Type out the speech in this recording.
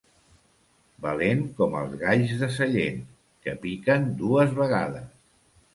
Valent com els galls de Sallent, que piquen dues vegades.